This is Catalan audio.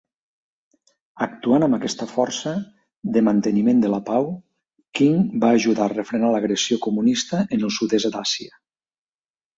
Actuant amb aquesta força de manteniment de la pau, King va ajudar a refrenar l'agressió comunista en el sud-est d'Àsia.